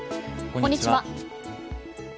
こんにちは。